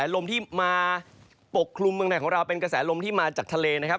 ลมที่มาปกคลุมเมืองไทยของเราเป็นกระแสลมที่มาจากทะเลนะครับ